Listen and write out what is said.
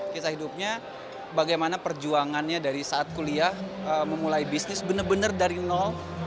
kisah hidupnya bagaimana perjuangannya dari saat kuliah memulai bisnis benar benar dari nol